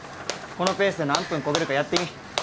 このペースで何分こげるかやってみ。